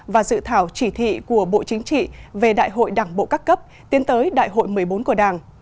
và dự thảo chỉ thị của bộ chính trị về đại hội đảng bộ các cấp tiến tới đại hội một mươi bốn của đảng